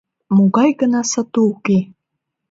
Могай гына сату уке!